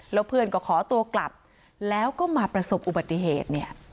แล้วเพื่อนก็ขอตัวกลับแล้วก็มาประสบอุบัติเหตุเนี่ย